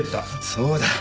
そうだ。